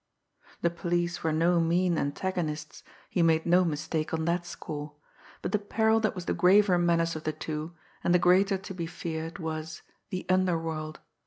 The police were no mean antagonists, he made no mistake on that score; but the peril that was the graver menace of the two, and the greater to be feared, was the underworld.